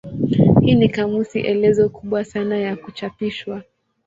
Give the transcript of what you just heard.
Hii ni kamusi elezo kubwa sana ya kuchapishwa.